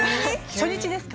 初日ですか？